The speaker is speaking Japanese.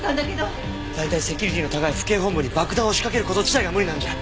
大体セキュリティーの高い府警本部に爆弾を仕掛ける事自体が無理なんじゃ。